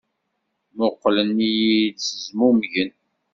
Mmuqqlen-iyi-d, zmumgen.